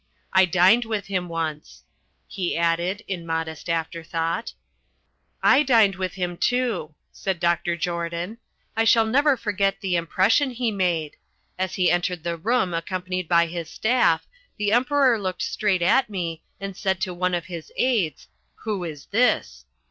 I dined with him once," he added, in modest afterthought. "I dined with him, too," said Dr. Jordan. "I shall never forget the impression he made. As he entered the room accompanied by his staff, the Emperor looked straight at me and said to one of his aides, 'Who is this?'